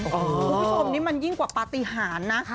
คุณผู้ชมนี่มันยิ่งกว่าปฏิหารนะ